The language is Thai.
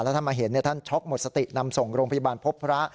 ถ้ามาเห็นท่านช็อกหมดสตินำส่งโรงพยาบาลพบพระ